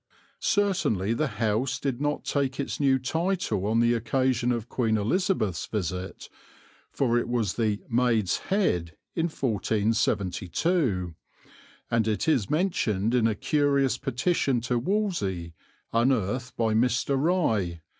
Certainly the house did not take its new title on the occasion of Queen Elizabeth's visit, for it was the "Mayde's Hedde" in 1472, and it is mentioned in a curious petition to Wolsey, unearthed by Mr. Rye.